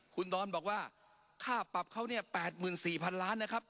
คุณดอนบอกว่าค่าปรับเขาเนี้ยหมื่นสี่พันล้านนะครับ